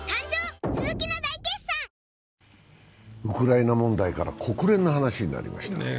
ウクライナ問題から国連の話になりました。